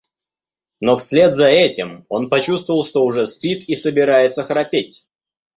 Но вслед за этим он почувствовал, что уже спит и собирается храпеть.